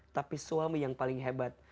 tapi suami yang paling hebat